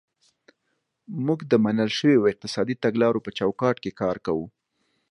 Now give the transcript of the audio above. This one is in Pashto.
موږ د منل شویو اقتصادي تګلارو په چوکاټ کې کار کوو.